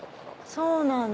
そうなんだ。